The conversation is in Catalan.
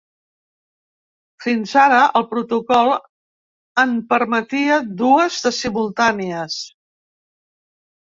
Fins ara, el protocol en permetia dues de simultànies.